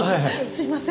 すいません。